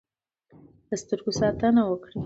د سترګو ساتنه وکړئ.